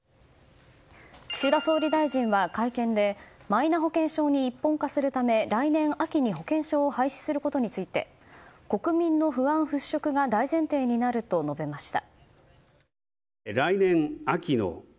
岸田総理大臣は会見でマイナ保険証に一本化するため来年秋に保険証を廃止することについて国民の不安払しょくが大前提になると述べました。